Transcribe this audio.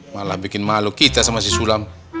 malah bikin malu kita sama si sulam